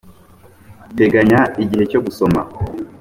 teganya igihe cyo gusoma